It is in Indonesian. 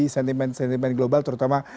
sentimen sentimen global terutama